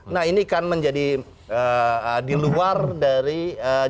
nah ini kan menjadi di luar dari